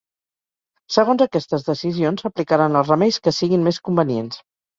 Segons aquestes decisions s’aplicaran els remeis que siguin més convenients.